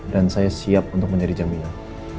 dan saya siap untuk menjadi jaminan